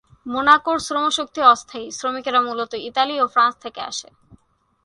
মোনাকোর শ্রমশক্তি অস্থায়ী; শ্রমিকেরা মূলত ইতালি ও ফ্রান্স থেকে আসে।